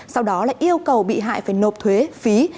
sau đó lại yêu cầu bị hại phải nộp thuế phí